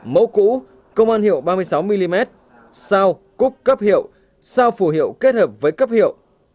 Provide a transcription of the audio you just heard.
mẫu cũ công an hiệu ba mươi sáu mm sao cúc cấp hiệu sao phù hiệu kết hợp với cấp hiệu